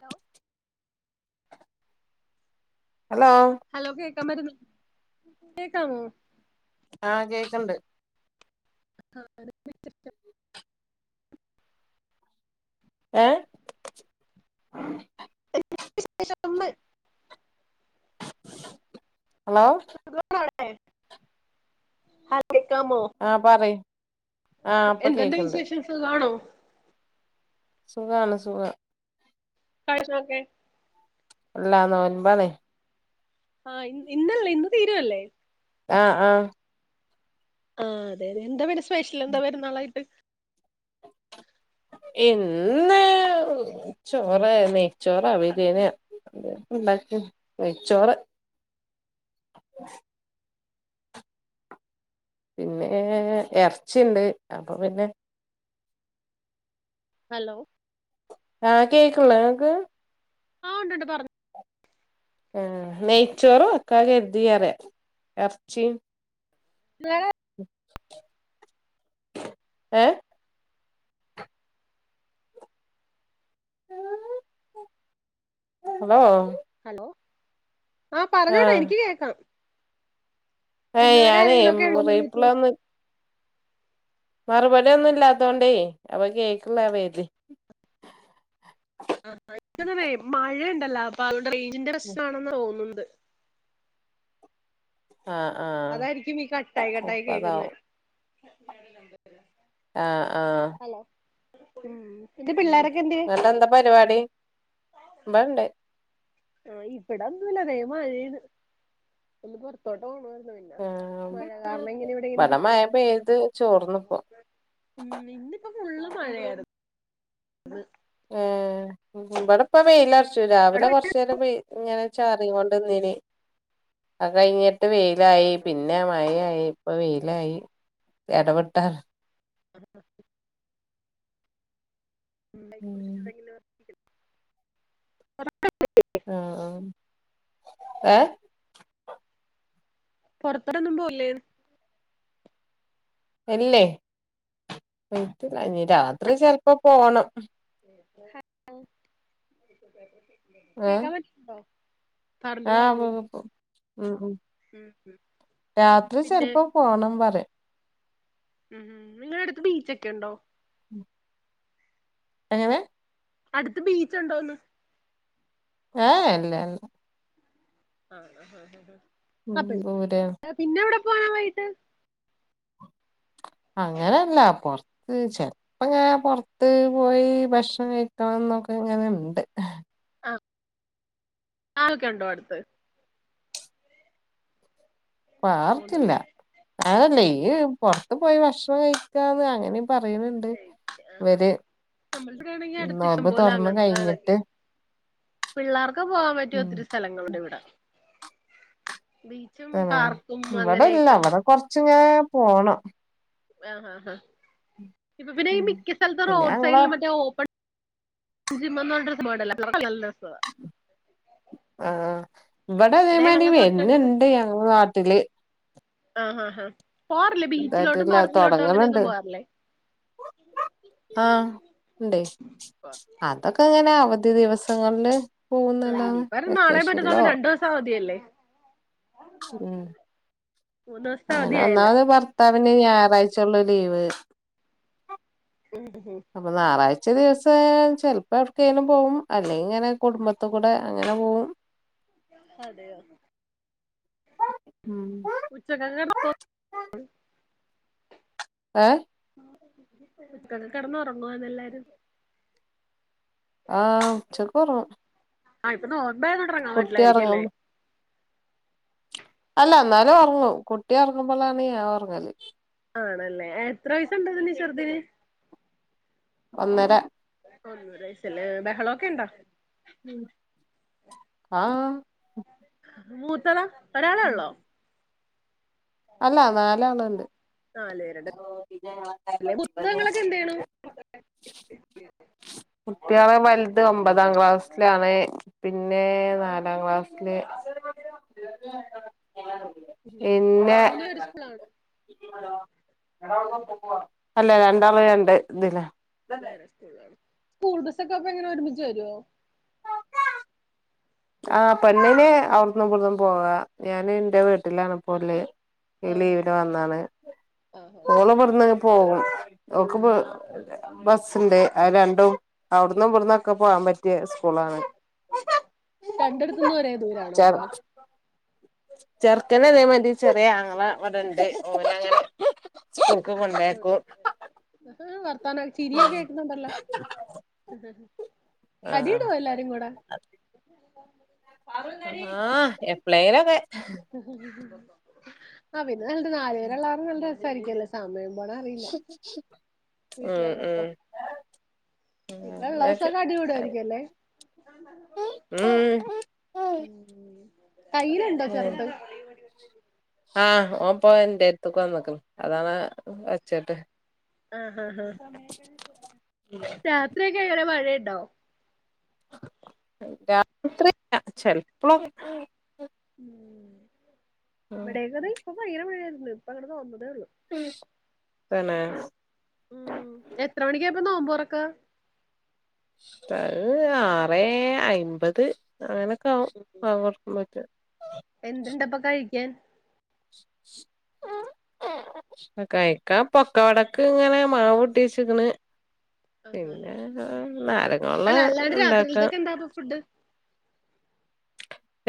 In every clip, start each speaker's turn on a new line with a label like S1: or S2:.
S1: Hello
S2: hello
S1: hello കേക്കാ പറ്റുന്നോ കേക്കാവോ?
S2: ആഹ്! കേക്കണ്ട്.
S1: [unintelligible]
S2: ഏ?
S1: എന്തൊക്കെ വിശേഷം ന്ന്
S2: ഹലോ!
S1: ഹൽ
S2: ആഹ് പറയ്
S1: എന്ത്ണ്ട് വിശേഷംസ് സുഖാണോ
S2: സുഖാണ്! സുഖാ.
S1: [unintelligible]
S2: ആന്നൊൻപതേ
S1: ആഹ് ഇ ഇന്നല്ലെ? ഇന്ന് തീരുല്ലേ?
S2: ആഹ്! ആഹ്!
S1: ആഹ് അതെ അതെ എന്താ വേണ്ടെ? സ്പെഷ്യൽ എന്താ പെരുന്നാളായിട്ട്?
S2: [unintelligible] ഇന്ന് ചോറ് നെയ്ച്ചോറ. അവിതിന്! ഉണ്ടാക്കി. നെയ്ച്ചോറ് പിന്നെ ഇറച്ചിയുണ്ട്. അപ്പൊ പിന്നെ?
S1: ഹലോ!
S2: ആഹ്! കേക്ക്ണ്ടോ ഇങ്ങക്ക്
S1: ആഹ്! ഉണ്ട്ണ്ട്! പറഞ്ഞോ!
S2: ആഹ്! നെയ്ച്ചോറും വെക്കാ കരുതി പറയാ ഇറച്ചിയും
S1: വാ
S2: ഏ! ഹലോ!
S1: ഹലോ ആ പറഞ്ഞോടാ എനിക്ക് കേക്കാം.
S2: ഏ
S1: വിരുന്നുകാര്
S2: ഞാനേ
S1: ആരെങ്കിലും ഒക്കെ ഉണ്ടോ
S2: റിപ്ലൈ ഒന്നും മറുപടിയൊന്നും ഇല്ലാത്തോണ്ടേ അപ്പൊ കേക്കിണ്ടകരുതി
S1: ആ [unintelligible] മഴ ഇണ്ടല്ലോ അപ്പൊ ഇവിടെ റേഞ്ചിന്റെ പ്രശ്നാണെന്ന് തോന്നണ്ട്.
S2: ആഹ് ആഹ്
S1: അതായിരിക്കും ഈ കട്ടായി കട്ടായി
S2: ചെലപ്പോ
S1: കേക്കുന്ന.
S2: അതാവും ആ ആ.
S1: ഉം എന്റെ പിള്ളേരൊക്കെ എന്തിയെ
S2: എന്നിട്ട് എന്താ പരിപാടി [unintelligible]
S1: ആ ഇവിടെ ഒന്നുല്ല ദേ മഴയാണ് ഒന്ന് പൊറത്തോട്ട് പോണ പിന്നെ മഴ കാരണം ഇങ്ങനെ ഇവിടെ ഇരിക്കണേ.
S2: ചോറ്ന്നപ്പോ
S1: ഉം ഇന്നിപ്പോ ഫുള്ള് മഴയായിരുന്നു.
S2: ആ ഇവിടെപ്പ വെയില അടിച്ചു രാവിലെ
S1: അവിടെ
S2: കൊറച്ച നേരം ഇങ്ങനെ ചാറികൊണ്ടിന്നിനി അത് കയ്ഞ്ഞ് ട്ട് വെയിലായി പിന്നെ മഴയായി ഇപ്പ വെയിലായി ഇടവിട്ട
S1: ഒണ്ടാക്കി
S2: ഉം
S1: കുടിച്ചിട്ട്ട്ടെങ്കിൽ
S2: ആ ആ ഏ?
S1: പോറത്തൊന്നും പോവൂലെ?
S2: [unintelligible] രാത്രി ചെലപ്പോ പോണം.
S1: ഹലോ
S2: ഏഹ്
S1: കേക്കാൻ പറ്റുന്നുണ്ടോ? കാറിന്റെ
S2: ആഹ്
S1: ബാഗിലുണ്ട്
S2: പോ ഉം ഉം.
S1: ഉം
S2: രാത്രി
S1: പിന്നെ
S2: ചെലപ്പോ പോണം പറയാ.
S1: ഉം നിങ്ങള അടുത്ത് ബീച്ചൊക്കെ ഉണ്ടോ?
S2: എങ്ങനെ?
S1: അടുത്ത ബീച്ച് ഉണ്ടോന്ന്?
S2: ആ ഇല്ല.
S1: ആഹ് ആഹ്.
S2: ഉം [unintelligible]
S1: പോണം വൈകീട്ട്
S2: അങ്ങനെയല്ല പുറത്ത് ചെലപ്പോങ്ങ പുറത്ത് പോയി ഭക്ഷണം കഴിക്കണം ക്കെ ഇങ്ങനെ ഉണ്ട്.
S1: ആ [unintelligible] ക്കെ ഉണ്ടോ അടുത്ത്?
S2: പാർക്കില്ല
S1: ഒന്നുമില്ലേ
S2: അതല്ലേ
S1: ഉം
S2: ഈ പുറത്ത് പോയി ഭക്ഷണം കഴിക്കാതെ അങ്ങനെ പറയുന്നുണ്ട് ഇവര്.
S1: നമ്മൾ വേണമെങ്കിൽ അടുത്ത ഇഷ്ടം
S2: നോമ്പ്
S1: പോല
S2: തൊറന്ന്
S1: അങ്ങനത്തെ ഇതൊക്കെ
S2: കഴിഞ്ഞിട്ട്
S1: പിള്ളേർക്ക് പോവാൻ പറ്റിയ
S2: ഉം
S1: ഒത്തിരി സ്ഥലങ്ങളുണ്ട് ഇവിടെ. ബീച്ചും
S2: ആ
S1: പാർക്കും
S2: ഇവിടെ ഇല്ല
S1: അങ്ങനെയൊക്കെ
S2: അവിടെ കൊറച്ചങ്ങ പോണം.
S1: ആഹ് ആ ആ ഇപ്പൊ പിന്നെ ഈ
S2: ഉം
S1: മിക്ക സ്ഥലത്തും
S2: പിന്നെ
S1: റോഡ്
S2: ഞങ്ങള്
S1: സൈഡിൽ മറ്റേ ഓപ്പൺ ജിം [unintelligible]
S2: ആ. ഇവിടെ അതേമാരി
S1: ഞങ്ങളെ തൊട്ടടുത്ത്
S2: പിന്നെണ്ട് ഞങ്ങ നാട്ടില്
S1: ആഹ് ഹാ ഹാ പോവാറില്ലേ ബീച്ചിലോട്ടും
S2: ഇതായിട്ടില്ല
S1: പാർക്കിലോട്ടും അങ്ങനെയൊന്നും പോവാറില്ലേ?
S2: ആ ഉണ്ട് അതൊക്കെ എങ്ങനെ അവ ദിവസങ്ങളിൽ
S1: ആഹ്
S2: പോകുന്നല്ലാതെ
S1: ഇനിയിപ്പ ഒരു നാളെ
S2: വെക്കേഷൻല്ലോ
S1: മറ്റന്നാളും രണ്ടു ദിവസം അവധിയല്ലേ
S2: ഉം
S1: മൂന്ന് ദിവസത്തെ
S2: [unintelligible]
S1: അവധിയായല്ലോ
S2: പിന്നെ ഞായറാഴ്ച ഉള്ള ലീവ് അപ്പൊ ഞായറാ ദിവസം ചിലപ്പോ എവിടക്കേും പോകും അല്ലെ അങ്ങനെ കുടുംബത്ത കൂടെ അങ്ങനെ പോകും. ഉം
S1: [unintelligible]
S2: ഏ?
S1: ഉച്ചക്ക്കെടന്ന് ഒറങ്ങുവന്നോ എല്ലാരും
S2: ആ ഉച്ചക്ക് ഒറങ്ങും
S1: ആ ഇപ്പൊ റോട്ടിലോട്ടെറങ്ങാൻ
S2: കുട്ടി
S1: പറ്റില്ലായിരിക്ക്വല്ലേ
S2: ഒറങ്ങും അല്ല എന്നാലും ഒറങ്ങും കുട്ടി ഒറങ്ങുമ്പോഴാണ് ഞൻ ഒറങ്ങ്ന്നേ
S1: ആണല്ലേ എത്ര വയസുണ്ട് ചെറുതിന്
S2: ഒന്നര
S1: സല് ബഹളൊക്കെ ഇണ്ടാ
S2: ആ
S1: മൂത്തതാ ഒരാളെ ഉള്ളോ
S2: അല്ല നാല് ആള്ണ്ട് [unintelligible]
S1: നാല് പേരുണ്ട് അല്ലെ പുസ്തകങ്ങളൊക്കെ എന്ത് ചെയ്യണു
S2: കുട്ടികള് വലത് ഒമ്പതാം ക്ലാസ്സിലാണ് പിന്നെ നാലാം ക്ലാസ്സില്
S1: ഉ
S2: പിന്നെ
S1: മൂന്ന് പേര് സ്കൂളിലാണോ
S2: അല്ല രണ്ടാള് രണ്ട് ഇതിലാ
S1: സ്കൂൾ ബസ്സൊക്കെ അപ്പൊ എങ്ങനെ ഒരുമിച്ച് വരുവോ
S2: ആ പെണ്ണിന്അവിടന്നും ഇവിടന്നും പോവാ ഞാൻ എന്റെ വീട്ടിലാണ് ഇപ്പോ ഉള്ളത് ഈ
S1: ആഹ്
S2: ലീവിന്
S1: ആഹ്
S2: വന്നാണ്
S1: ആഹ് ആഹ് ആഹ്
S2: മോള് ഇവിടുന്ന് പോകും നോക്കുമ്പ
S1: ആഹ്
S2: ബസ് ണ്ട്. അത് രണ്ടും അവിടന്നും ഇവിടന്നുംഒക്കെ പോകാൻ പറ്റിയ സ്കൂളാണ് ട്ട [unintelligible]
S1: രണ്ടും ഒരേ ദൂരണോ അപ്പ
S2: ചെറുക്കനല്ലവരുന്നത്ചെറിയ ആങ്ങള ഇവിടെണ്ട് ഒരു ചർക്ക കൊണ്ട് ഒണ്ടാക്കും
S1: ആ വർത്താനം ചിരിയൊക്കെ കേളക്കുന്നുണ്ടല്ലോ
S2: ആഹ്
S1: അടിയിടുമോ എല്ലാരും കൂടെ
S2: ആ എപ്ളൈപോയി
S1: ആ പിന്നെ നാല് പേര്ഒള്ളതുനല്ല രസമായിരിക്കല്ലോ സമയം അമ്മള് അറിയില്ല
S2: ഉം
S1: വീട്ടില
S2: ഉം
S1: ഒളപ്പം പിന്നെ
S2: അങ്ങനൊക്കെ
S1: ഉള്ളോസൊക്കെ അടികൂടുമായിരിക്കും അല്ലേ
S2: ഉം ഉം
S1: തയ്യിലുണ്ടോ ചെറുത്
S2: ആഹ് ഓൻ ഇപോ എന്റെ അടുത്തേക്ക് വന്നിട്ട് ഒണ്ട് അതാണ് വെച്ചേക്കുന്നത്
S1: രാത്രിഒക്കെ എങ്ങനെ മഴയുണ്ടോ
S2: രാത്രി [unintelligible] ചെൽപ്ളം
S1: ഇവിടെ ഒക്കേ ദേ ഇപ്പൊ ഭയങ്കര മഴയാര്ന്ന്. ഇപ്പങ്ങട് തോർന്നതേ ഒൾ
S2: ആണാ
S1: എത്ര മണിക്ക നോമ്പ്മുറിക്കുന്നത്
S2: അത് ആറെ അയ്മ്പത് അങ്ങനെയൊക്കെ ആവും ബാങ്കൊട്ക്കു
S1: എന്താപ്പൊ കഴിക്കാൻ
S2: ഉം കഴിക്ക പൊക്ക വടക്ക് ഇങ്ങനെ മാവ് പൊട്ടിച്ചിക്കണ്
S1: ആഹ്
S2: പിന്നെ
S1: ഉണ്ടാക്കണം
S2: നാരങ്ങുവെള്ള
S1: അല്ല അല്ലാണ്ട്
S2: ഉണ്ടാക്കാം
S1: രാത്രിയിലത്തൊക്കെ എന്താ അപ്പൊ ഫുഡ്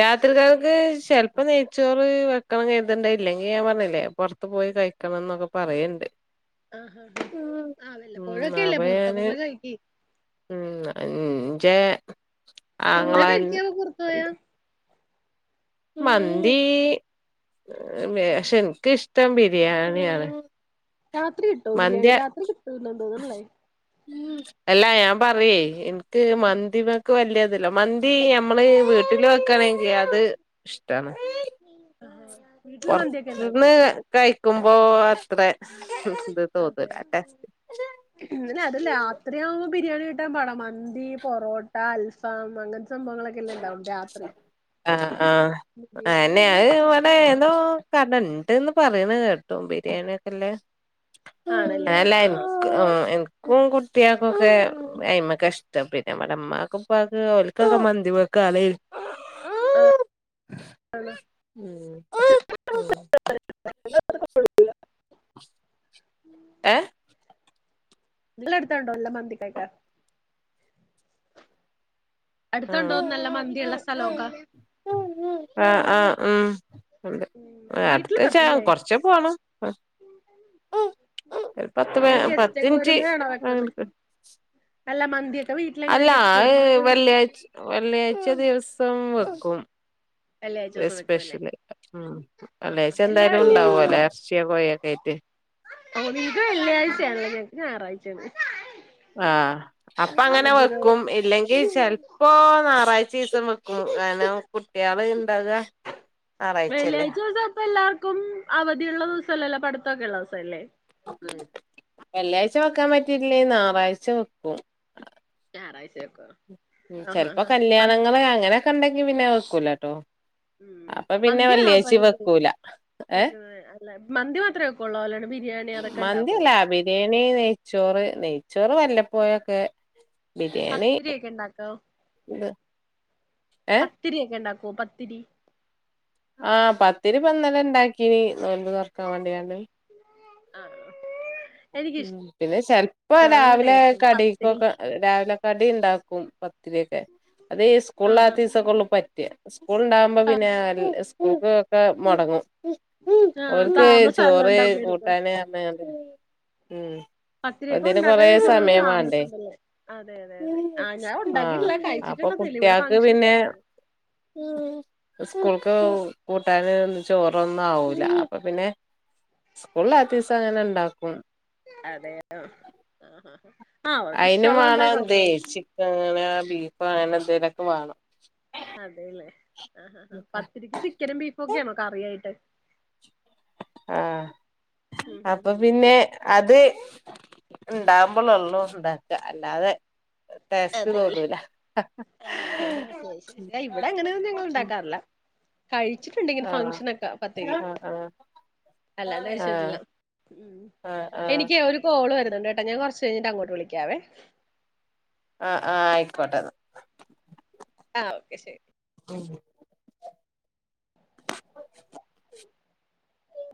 S2: രാത്രിതേക്ക് ചെലപ്പം നെയ്ച്ചോറ് വെക്കണം ചെയഴുതിണ്ട ഇല്ലെങ്കി ഞാൻ പറഞ്ഞില്ലേ പുറത്ത് പോയി കഴിക്കണംന്നൊക്കെ പറയണ്ട്
S1: ആ ഹാ
S2: ഉം
S1: ആ
S2: ഉം
S1: വല്ലപ്പോഴൊക്കെല്ലേ
S2: അപ്പൊ
S1: പെറത്തൊക്കെ
S2: ഞാന്
S1: പോയി കഴിക്ക്
S2: ഉം ഇൻ്റെ ആങ്ങള
S1: എന്താ കഴിക്കാപ്പൊ പുറത്ത് പോയാ
S2: [unintelligible] മന്തി എനിക്ക് ഇഷ്ടം ബിരിയാണിയാണ്
S1: രാത്രി കിട്ടോ
S2: മന്തി
S1: ബിരിയാണി രാത്രി കിട്ടൂന്ന്തോന്നുന്നില്ലേ
S2: അല്ലാ ഞാൻ പറയേ എനിക്ക് മന്തിമക്ക് വലിയതില്ല മന്തി ഇ ഞമ്മള് വീട്ടില് വെക്കണെങ്കിൽ അത് ഇഷ്ടാണ്
S1: ആഹ് വീട്ടില് മന്തിയൊക്കെ ഉണ്ടാക്കോ
S2: പൊറത്തുന്ന് കഴിക്കുമ്പോ ഇത്ര ഇത്
S1: അതെ
S2: തോന്നുലല്ലേ
S1: അല്ല അത് രാത്രിയാവുമ്പോ ബിരിയാണി കിട്ടാൻ പാടാ മന്തി പൊറോട്ട അൽഫാം അങ്ങനത്തെ സംഭവങ്ങളൊക്കെയല്ലേ ഉണ്ടാവൊള്ളു രാത്രി
S2: ആ ആ
S1: ബിരിയാണി
S2: അയിന്നെ
S1: കൂടുതലും
S2: അത്
S1: ഉച്ച
S2: ഇവിടെഎന്തോ
S1: സമയത്താണല്ലോ
S2: കടയുണ്ട്ന്ന് പറയണ കേ ട്ടു ബിരിയാണിയൊക്കെല്ലേ
S1: ആണല്ലേ
S2: അല്ല
S1: ആഹ്
S2: എനിക്ക് എനി കുട്ടികൾക്കൊക്കെ അയിമെക്ക ഇഷ്ടം പിന്നെ നമ്മടെ ഉമ്മാക്കും ഉപ്പാക്കും ഓല്ക്ക് ഒക്കെ മന്തി [unintelligible] [unintelligible]
S1: [inaudible]
S2: ഏ
S1: നിങ്ങളടെ അടുത്തുണ്ടോ നല്ല മന്തിക്കെയൊക്കെ അടുത്തൊണ്ടോന്ന് നല്ല മന്തിയൊള്ള
S2: ആഹ്
S1: സ്ഥലമൊക്കെ
S2: ആഹ് ആഹ് ഉം ഉണ്ട് അടുത്ത്
S1: വീട്ടില്
S2: വെച്ചാ
S1: വെക്കും അല്ലേ
S2: കൊറച്ച് പോണം ഒരു പത്ത് പ
S1: അ ഗസ്റ്റ്
S2: പത്ത്
S1: ഒക്കെ
S2: മിനിറ്റ് വേ
S1: നല്ല മന്തിയെ
S2: അല്ല വെള്ളിയാഴ്ച്ച വെള്ളിയാഴ്ച്ച ദിവസം വെക്കും
S1: വെള്ളിയാഴ്ചോസം
S2: സ്പെഷ്യ
S1: വെക്കുവല്ലേ
S2: സ്പെഷ്യല് ഉം
S1: ആഹാ
S2: വെള്ളിയാഴ്ച്ച
S1: എല്ലാ
S2: എന്തായാലും
S1: വെള്ളിയാഴ്ചയും
S2: ഉണ്ടാവൂല്ലേ എറച്ചിയും കോഴി യൊക്കെ ആയിട്ട്
S1: ഓ നിങ്ങക്ക് വെള്ളിയാഴ്‌ച്ച യാണല്ലോ ഞങ്ങക്ക് ഞായറാഴ്ച്ച യാണ്
S2: ആ അപ്പ അങ്ങനെ വെക്കും
S1: ദിവസം
S2: ഇല്ലെങ്കിൽ ചെലപ്പോ ഞായറാഴ് ച്ച ദിവസം വെക്കും കാരണം കുട്ടികള് ഉണ്ടാവുക
S1: വെള്ളിയാഴ്ച്ച ദിവസം അപ്പം എല്ലാർക്കും അവധിയുള്ള ദിവസമല്ലല്ലോ പഠിത്തമൊക്കെ ഉള്ള ദിവസം അല്ലേ
S2: ഉം വെള്ളിയാഴ്ച്ച വെക്കാൻ പറ്റിയില്ലെ ഞായറാഴ്ച്ച വെക്കും
S1: ഞായറാഴ്ച വെക്കുവോ
S2: ഉം ചെലപ്പോ കല്യാണങ്ങള് അങ്ങനെയൊക്കെ ഉണ്ടെങ്കി പിന്നെ വെക്കൂല്ലാട്ടോ
S1: ഉം മന്തിയാണോ അപ്പോ [unintelligible]
S2: വെക്കൂല ഏ
S1: വയ്ക്കുന്നത് അല്ല മന്തി മാത്രമേ വെക്കുള്ളോ അല്ലാതെ
S2: മന്തിയല്ല ബിരിയാണി നെയ്ച്ചോറ് നെയ് ചോറ് വല്ലപ്പോഴുമൊക്കെ
S1: പത്തിരിയൊക്കെ ഉണ്ടാക്കോ
S2: ഇത് ഏ
S1: പത്തിരിയൊക്കെ ഉണ്ടാക്കോ? വോ പത്തിരി
S2: ആ പത്തിരി പണ്ടെങ്ങനെ ഉണ്ടാക്കീയിനി നോയ്മ്പ് തൊറക്കാൻ വേണ്ടിയാണ്ട്
S1: ആഹ് ആ എനിക്ക്
S2: ഉം പിന്നെ ചെലപ്പോ രാവിലെ
S1: പത്തിരിയും
S2: കടിക്കൊക്കെ
S1: ചിക്കനും
S2: രാവിലെ കടി ഇണ്ടാക്കും പത്തിരിയൊക്കെ അത് ഈ
S1: ആഹാ
S2: സ്കൂളില്ലാത്ത ദിവസൊക്കെ ഉള്ളു പറ്റുക സ്കൂളുണ്ടാകുമ്പോ പിന്നെ [unintelligible] [unintelligible] മൊടങ്ങും
S1: ആഹ്
S2: ഓർക്ക്
S1: താമസല്ല
S2: ചോറ്
S1: ഉണ്ടാക്കിയെടുക്കാൻ
S2: കൂട്ടാന് [unintelligible] മ്ഹ് ഇപ്പ
S1: പത്തിരിയൊക്കെ
S2: ഇതിന് കൊറെ
S1: ഉണ്ടാക്കാൻ എനിക്ക് തോന്നുന്നു
S2: സമയം വേണ്ടേ
S1: താമസണ്ടല്ലേ അതെ അതെ അതെ ആഹ് ഞാൻ
S2: ആഹ്
S1: ഉണ്ടാക്കിയിട്ടില്ല
S2: അ അപ്പൊ
S1: കഴിച്ചിട്ടുണ്ടെന്നേള്ളൂ ഇവിടെ
S2: കുട്ട്യൾക്ക്
S1: ഫംഗ്ഷനൊക്കെ
S2: പിന്നെ
S1: വരുമ്പഴേ
S2: സ്കൂൾക്ക് [unintelligible] കൂട്ടാന് ചോറും ഒന്നും ആവൂല അപ്പോ പിന്നെ സ [unintelligible] ഇല്ലാത്തീസം അങ്ങനെ ഇണ്ടാക്കും
S1: അതെയൊ ആഹ് ഹ ഹ
S2: അയിനും വേണം ഇതേ ചിക്കൻ അങ്ങനെ ബീഫ് അങ്ങനെ എന്തെലൊക്കെ വേണം
S1: അതെല്ലേ ആഹ് ഹ ഹ പത്തിരിക്ക് ചിക്കനും ബീഫും ഒക്കെയാണോ കറിയായിട്ട്
S2: ആഹ്
S1: ഉം ഉം
S2: അപ്പോ
S1: ഉം
S2: പിന്നെ
S1: ശരി
S2: അത് ഇണ്ടാവുമ്പോൾ നല്ല ഇണ്ടാക്ക അല്ലാതെ ടേസ്റ്റ്
S1: അതെല്ലേ
S2: തോന്നൂലാ
S1: ആഹ് ഹ ഹ [unintelligible] ഇവിടെ അങ്ങനെ ഒന്നും ഞങ്ങള് ഇണ്ടാക്കാറില്ല കഴിച്ചിട്ടുണ്ട് ഇങ്ങനെ
S2: ആഹ്
S1: ഫംഗ്ഷനക്ക പത്തിരി
S2: ആഹ് ആഹ്
S1: അല്ലാണ്ട്
S2: ആഹ് ആഹ്
S1: കഴിച്ചിട്ടില്ല.
S2: ആഹ്
S1: മ്ഹ് എനിക്കേ
S2: ആഹ്
S1: ഒരു കോള് വരണുണ്ടേട്ട് [unintelligible] ഞാൻ കൊറച്ച് കഴിഞ്ഞിട്ട് അങ്ങോട്ട് വിളിക്കാവേ
S2: ആഹ് ആഹ് ആയിക്കോട്ടെ എന്നാ
S1: ആഹ് ഓക്കെ ശരി